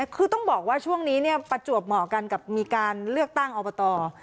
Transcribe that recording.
คือต้องบอกว่าช่วงนี้ประจวบเหมาะกันกับเรื่องเลือกตั้งออกประต่อ